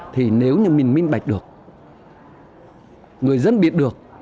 thì nếu như mình mít mạch được người dân biết được